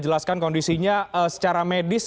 jelaskan kondisinya secara medis